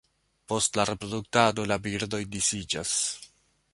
Post la reproduktado la birdoj disiĝas.